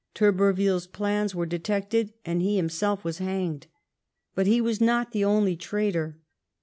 Turberville's plans were detected and he himself was hanged. But he Avas not the only traitor.